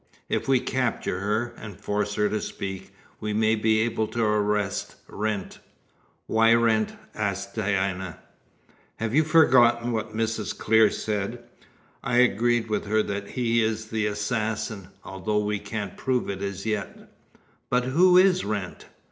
If we capture her, and force her to speak, we may be able to arrest Wrent." "Why Wrent?" asked Diana. "Have you forgotten what Mrs. Clear said? I agree with her that he is the assassin, although we can't prove it as yet." "But who is Wrent?"